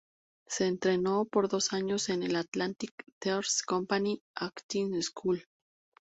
Se entrenó por dos años en el "Atlantic Theater Company Acting School".